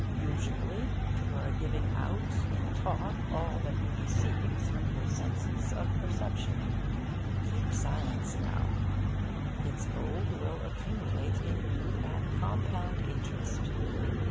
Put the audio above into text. Usually, you are giving out in talk all that you receive through your senses of perception. Keep silence now. Its gold will accumulate in you at compound interest.